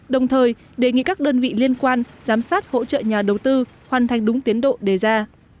đồng thời đề nghị các đơn vị liên quan giám sát hỗ trợ nhà đầu tư hoàn thành đúng tiến độ đề ra